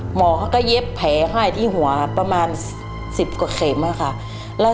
หมอเขาก็เย็บแผลให้ที่หัวประมาณ๑๐กว่าเข็มค่ะ